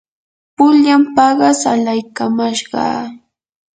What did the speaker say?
pullan paqas alaykamashqaa.